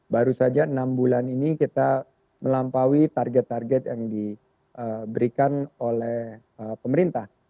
baru saja enam bulan ini kita melampaui target target yang diberikan oleh pemerintah